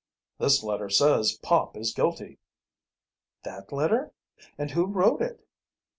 "This letter says Pop is guilty." "That letter? And who wrote it?"